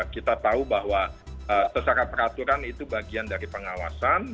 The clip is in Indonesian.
kita tahu bahwa secara peraturan itu bagian dari pengawasan